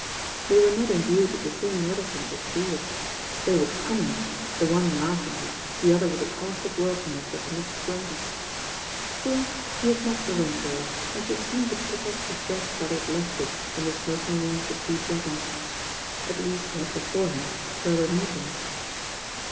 They were not imbued with the same reticence as Drewitt. They would conwncnt, the one laugh ingly, the other with the caustic worldliness of a Mrs. Grundy. Still he had met the Rain Girl, and she had seemed to pick up the thread where they had left it in the smoking room of "The Two Dragons." At least he had before him further meetings.